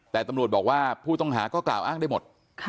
แต่ตำรวจบอกว่าผู้ต้องหาก็กล่าวอ้างได้หมด